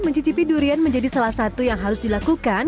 mencicipi durian menjadi salah satu yang harus dilakukan